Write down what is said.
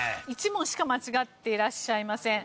１問しか間違っていらっしゃいません。